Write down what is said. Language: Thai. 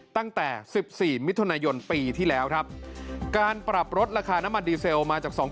ตั้งแต่๑๔มิถุนายนปีที่แล้วทรัพย์การปรับรถรักษณะมันดีเซลมาจาก๒ปัจจัย